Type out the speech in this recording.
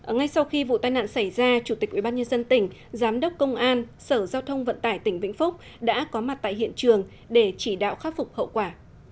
ngay sau khi vụ tai nạn xảy ra chủ tịch ubnd tỉnh giám đốc công an sở giao thông vận tải tỉnh vĩnh phúc đã có mặt tại hiện trường để chỉ đạo khắc phục hậu quả